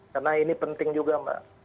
karena ini penting juga mbak